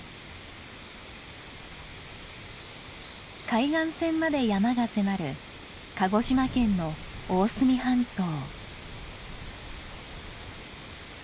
海岸線まで山が迫る鹿児島県の大隅半島。